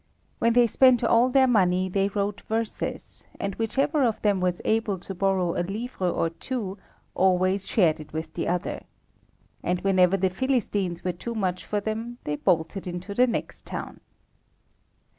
When they spent all their money they wrote verses, and whichever of them was able to borrow a livre or two, always shared it with the other. And whenever the Philistines were too much for them they bolted into the next town.